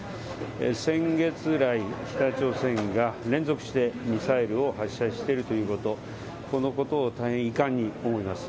先月来、北朝鮮が連続してミサイルを発射しているということ、このことを大変遺憾に思います。